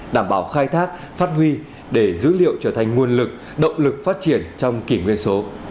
đảm bảo khai thác phát huy để dữ liệu trở thành nguồn lực động lực phát triển trong kỷ nguyên số